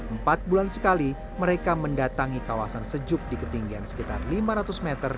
empat bulan sekali mereka mendatangi kawasan sejuk di ketinggian sekitar lima ratus meter